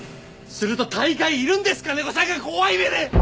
すると大概いるんです金子さんが怖い目で！